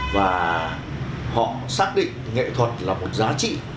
và họ xác định nghệ thuật là một giá trị